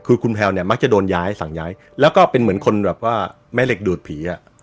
คือคุณแพลวเนี่ยมักจะโดนย้ายสั่งย้ายแล้วก็เป็นเหมือนคนแบบว่าแม่เหล็กดูดผีอ่ะ